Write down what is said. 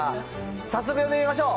早速呼んでみましょう。